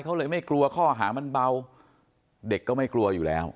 เขาเลยไม่กลัวข้อหามันเบาเด็กก็ไม่กลัวอยู่แล้ว